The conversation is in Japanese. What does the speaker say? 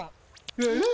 えっ？